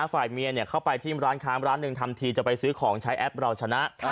ฝ่ายเมียเข้าไปที่ร้านค้าร้านหนึ่งทำทีจะไปซื้อของใช้แอปเราชนะ